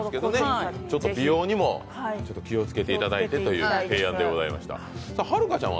美容にも気をつけていただこうという提案でございます。